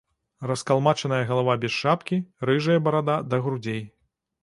Раскалмачаная галава без шапкі, рыжая барада да грудзей.